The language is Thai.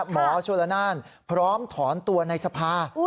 โชลนานพร้อมถอนตัวในสภา